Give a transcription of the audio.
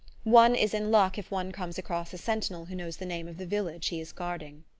One is in luck if one comes across a sentinel who knows the name of the village he is guarding.